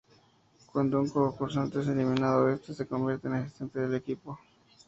Cuando un concursante es eliminado, este se convierte en asistente del equipo.